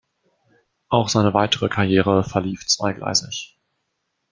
Auch seine weitere Karriere verlief zweigleisig.